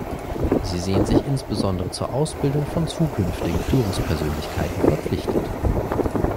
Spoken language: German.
Sie sehen sich insbesondere zur Ausbildung von zukünftigen Führungspersönlichkeiten verpflichtet.